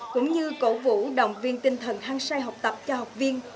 cũng như cổ vũ đồng viên tinh thần hăng say học tập cho học viên